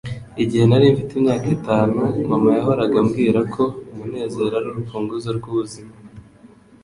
Igihe nari mfite imyaka itanu, mama yahoraga ambwira ko umunezero ari urufunguzo rw'ubuzima.